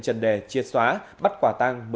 trần đề triệt xóa bắt quả tăng